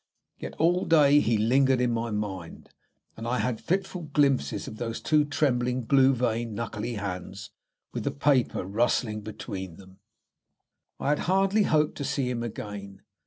Yet all day he lingered in my mind, and I had fitful glimpses of those two trembling, blue veined, knuckly hands with the paper rustling between them. I had hardly hoped to see him again.